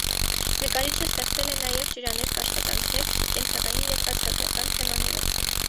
Նկարիչը ստեղծել է նաև ջրաներկ աշխատանքներ կենցաղային և ազգագրական թեմաներով։